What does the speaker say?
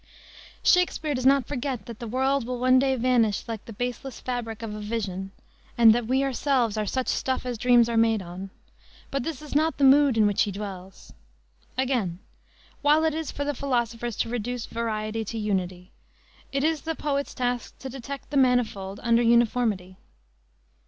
Shakespere does not forget that the world will one day vanish "like the baseless fabric of a vision," and that we ourselves are "such stuff as dreams are made on;" but this is not the mood in which he dwells. Again: while it is for the philosopher to reduce variety to unity, it is the poet's task to detect the manifold under uniformity.